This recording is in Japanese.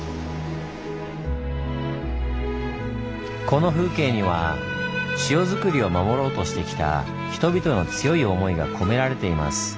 この風景には塩作りを守ろうとしてきた人々の強い思いが込められています。